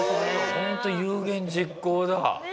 ホント有言実行だ。